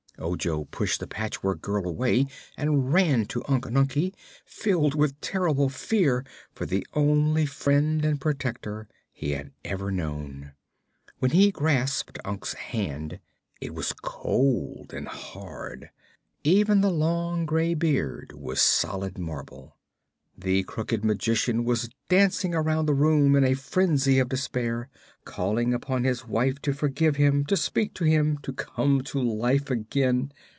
Ojo pushed the Patchwork Girl away and ran to Unc Nunkie, filled with a terrible fear for the only friend and protector he had ever known. When he grasped Unc's hand it was cold and hard. Even the long gray beard was solid marble. The Crooked Magician was dancing around the room in a frenzy of despair, calling upon his wife to forgive him, to speak to him, to come to life again!